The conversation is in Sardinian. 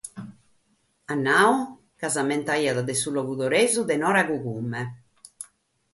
At naradu chi s'ammentaiat de su logudoresu de Noragugume.